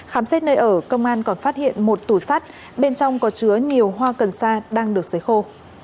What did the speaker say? khám xét nơi ở công an còn phát hiện một tủ sắt bên trong có chứa nhiều hoa cần sa đang được xấy khô